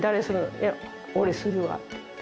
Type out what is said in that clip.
「いや俺するわ」って言って。